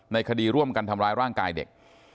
คดีร่วมกันทำร้ายร่างกายเด็ก